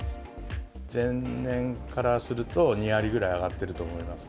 前年からすると、２割ぐらい上がってると思います。